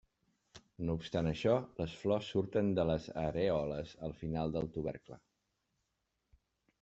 No obstant això, les flors surten de les arèoles al final del tubercle.